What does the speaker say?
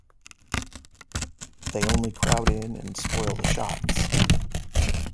They only crowd in and spoil the shots.